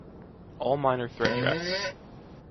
All Minor Threat tracks.